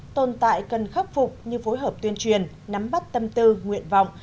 tồn tại cần khắc phục như phối hợp tuyên truyền nắm bắt tâm tư nguyện vọng